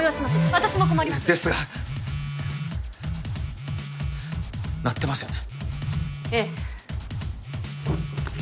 私も困りますですが鳴ってますよね